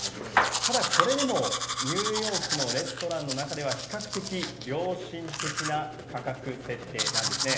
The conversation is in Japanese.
ただ、これでもニューヨークのレストランの中では比較的良心的な価格設定なんですね。